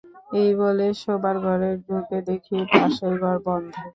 এই বলে শোবার ঘরে ঢুকে দেখি পাশের ঘর বন্ধ।